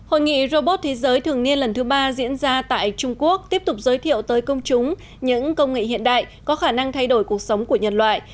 hội nghị robot thế giới thường niên lần thứ ba diễn ra tại trung quốc tiếp tục giới thiệu tới công chúng những công nghệ hiện đại có khả năng thay đổi cuộc sống của nhân loại